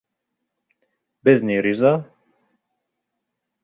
Беҙ ни риза.